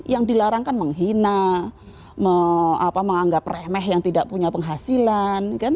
yang dilarangkan menghina menganggap remeh yang tidak punya penghasilan